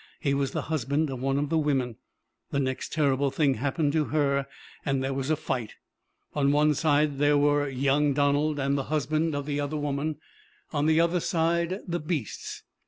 He was the husband of one of the women. The next terrible thing happened to her and there was a fight. On one side there were young Donald and the husband of the other woman; on the other side the beasts.